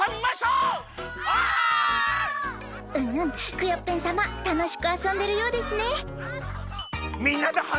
クヨッペンさまたのしくあそんでるようですね。